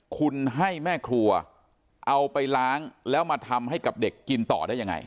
คุณให้แม่ครัวเอาไปล้างแล้วมาทำให้กับเด็กกินต่อได้ยังไง